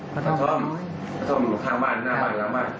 กระท่อมข้างบ้านหน้าบ้านหรือห้างบ้าน